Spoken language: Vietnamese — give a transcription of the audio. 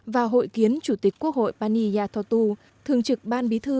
và hội kiến chủ tịch quốc hội paniyathotu thường trực ban bí thư